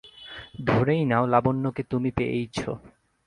ধরেই নাও, লাবণ্যকে তুমি পেয়েইছ।